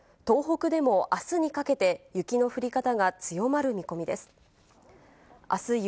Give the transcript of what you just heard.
東北でもあすにかけて雪の降り方が強まる見込みです。